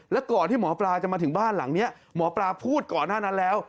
แล้วก่อนที่หมอปลาจะมาถึงบ้านหลังนี้หมอปลาพูดก่อนหน้านั้นแล้ว